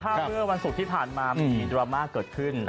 เมื่อวันศุกร์ที่ผ่านมามันมีดราม่าเกิดขึ้น